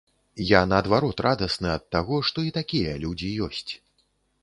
Я наадварот радасны ад таго, што і такія людзі ёсць.